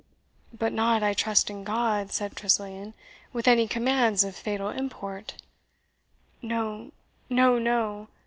"But not, I trust in God," said Tressilian, "with any commands of fatal import?" "No, no, no!"